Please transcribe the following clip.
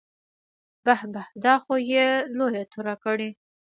بح بح دا خو يې لويه توره کړې.